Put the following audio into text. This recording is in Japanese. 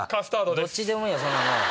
どっちでもいいよそんなもん。